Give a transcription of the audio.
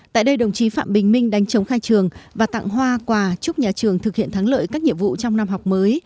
tại đây đồng chí phạm bình minh đánh chống khai trường và tặng hoa quà chúc nhà trường thực hiện thắng lợi các nhiệm vụ trong năm học mới